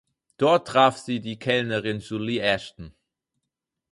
Dort traf sie die Kellnerin Julie Ashton.